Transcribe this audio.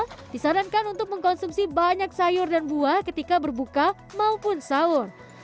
nah disarankan untuk mengkonsumsi banyak sayur dan buah ketika berbuka maupun sahur